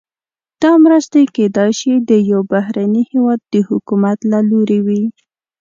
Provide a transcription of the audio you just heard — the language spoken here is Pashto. دا مرستې کیدای شي د یو بهرني هیواد د حکومت له لوري وي.